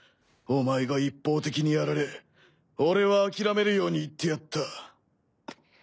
お前が一方的にやられ俺は諦めるように言ってやった。